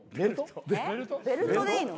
ベルトでいいの？